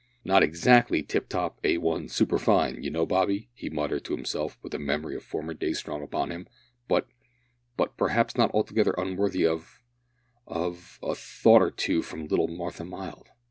"Not exactly tip top, A1, superfine, you know, Bobby," he muttered to himself with the memory of former days strong upon him, "but but perhaps not altogether unworthy of of a thought or two from little Martha Mild."